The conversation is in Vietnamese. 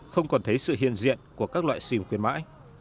không còn thấy sự hiện diện của các loại sim khuyến mãi